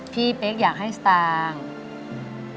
พี่เป๊กอยากให้สตางค์